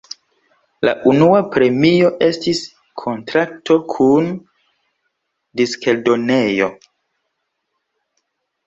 La unua premio estis kontrakto kun diskeldonejo.